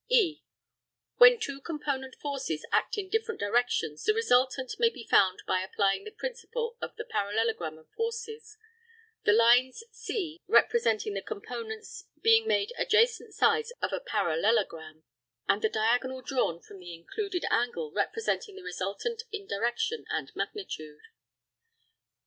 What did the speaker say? (e) When two component forces act in different directions the resultant may be found by applying the principle of the parallelogram of forces the lines (c) representing the components being made adjacent sides of a parallelogram, and the diagonal drawn from the included angle representing the resultant in direction and magnitude.